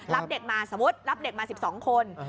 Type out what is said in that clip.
รับเด็กมาสมมุติรับเด็กมา๑๒คน